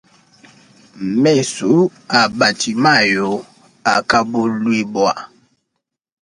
Mesu a batimayo akabuluibua.